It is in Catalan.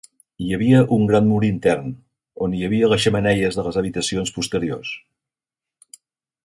Hi havia un gran mur intern, on hi havia les xemeneies de les habitacions posteriors.